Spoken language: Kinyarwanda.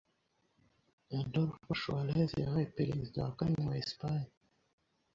Adolfo Suárez yabaye Perezida wa kane wa Espagne